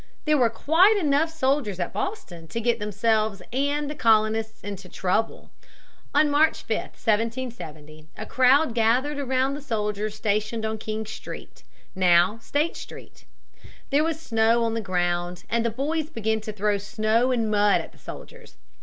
There were quite enough soldiers at Boston to get themselves and the colonists into trouble. On March 5, 1770, a crowd gathered around the soldiers stationed on King's Street, now State Street. There was snow on the ground, and the boys began to throw snow and mud at the soldiers.